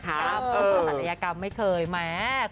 ครับศัลยกรรมไม่เคยแม่